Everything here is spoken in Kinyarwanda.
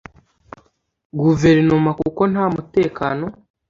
guverinoma kuko nta mutekano